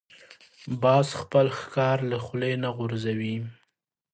باز خپل ښکار له خولې نه غورځوي